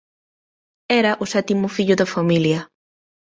Era o sétimo fillo da familia.